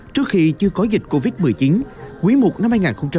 trước khi chưa có dịch covid một mươi chín quý i năm hai nghìn hai mươi